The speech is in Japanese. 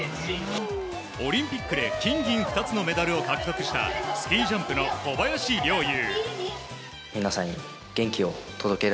オリンピックで金銀２つのメダルを獲得したスキー・ジャンプの小林陵侑。